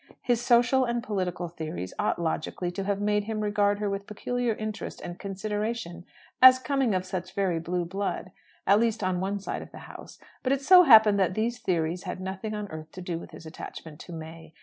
His social and political theories ought logically to have made him regard her with peculiar interest and consideration as coming of such very blue blood at least on one side of the house. But it so happened that these theories had nothing on earth to do with his attachment to May.